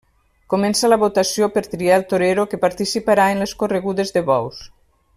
Comença la votació per triar el torero que participarà en les corregudes de bous.